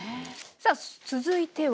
さあ続いては。